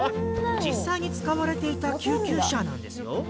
実際に使われていた救急車なんですよ。